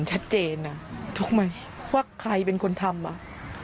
ชัดเจนทุกมันว่าใครเป็นคนทำ